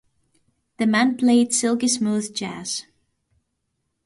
The man played silky smooth jazz.